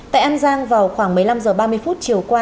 tại an giang vào khoảng một mươi năm h ba mươi chiều qua